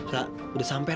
ra udah sampe ra